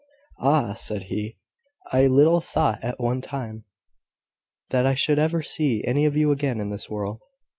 "Ah!" said he, "I little thought, at one time, that I should ever see any of you again in this world."